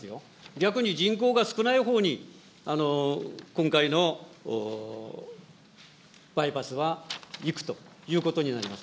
逆に人口が少ないほうに、今回のバイパスはいくということになります。